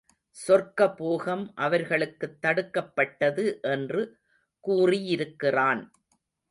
சொர்க்கபோகம் அவர்களுக்குத் தடுக்கப்பட்டது என்று கூறியிருக்கிறான்.